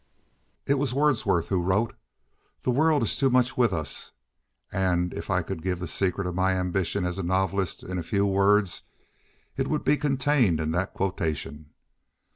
It was Wordsworth who wrote, "The world is too much with us"; and if I could give the secret of my ambition as a novelist in a few words it would be contained in that quotation.